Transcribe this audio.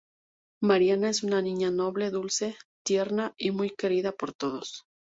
Mariana es una niña noble, dulce, tierna y muy querida por todos.